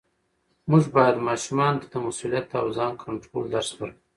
موږ باید ماشومانو ته د مسؤلیت او ځان کنټرول درس ورکړو